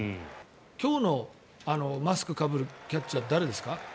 今日のマスクをかぶるキャッチャーは誰ですか？